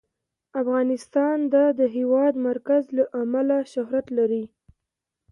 افغانستان د د هېواد مرکز له امله شهرت لري.